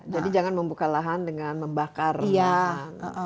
jadi jangan membuka lahan dengan membakar lahan